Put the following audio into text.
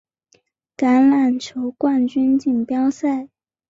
橄榄球冠军锦标赛。